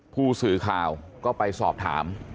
ผู้สื่อข่าวก็ไปสอบถาม